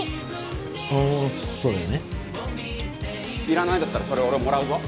要らないんだったらそれ俺もらうぞ。